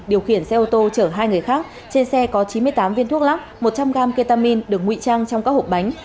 điều khiển xe ô tô chở hai người khác trên xe có chín mươi tám viên thuốc lắc một trăm linh gram ketamin được nguy trang trong các hộp bánh